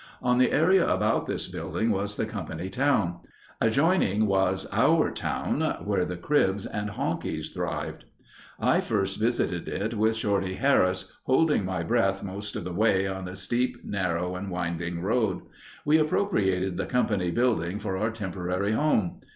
On the area about this building was the company town. Adjoining was "Our Town" where the cribs and honkies thrived. I first visited it with Shorty Harris, holding my breath most of the way on the steep, narrow, and winding road. We appropriated the company building for our temporary home.